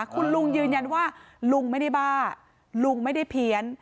คุณลุงยืนยันว่าลุงไม่ได้บ้าลุงไม่ได้เพี้ยน